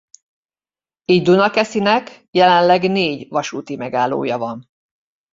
Így Dunakeszinek jelenleg négy vasúti megállója van.